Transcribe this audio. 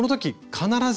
必ず？